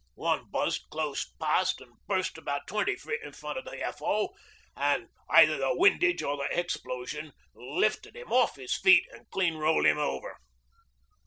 One buzzed close past and burst about twenty feet in front of the F.O., and either the windage or the explosion lifted him off his feet and clean rolled him over.